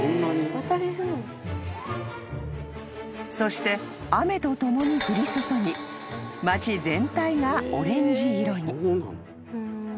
［そして雨とともに降り注ぎ町全体がオレンジ色に］